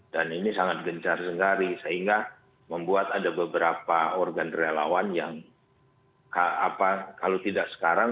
dan ini sangat gencar segari sehingga membuat ada beberapa organ relawan yang kalau tidak sekarang